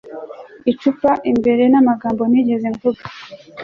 icupa imbere ni amagambo ntigeze mvuga